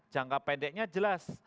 jangka pendeknya jelas